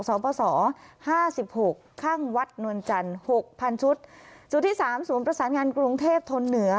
สปส๕๖ข้างวัดนวลจันทร์๖๐๐๐ชุดจุดที่สามศูนย์ประสานงานกรุงเทพธนเหนือ